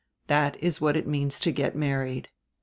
That is what it means to get married."